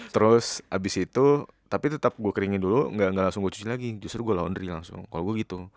terus habis itu tapi tetap gue keringin dulu nggak langsung gue cuci lagi justru gue laundry langsung kalau gue hitung